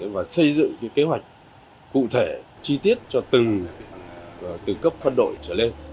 và xây dựng kế hoạch cụ thể chi tiết từ cấp phân đội trở lên